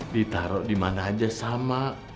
ditaro dimana aja sama